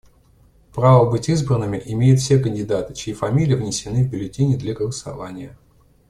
Право быть избранными имеют все кандидаты, чьи фамилии внесены в бюллетени для голосования.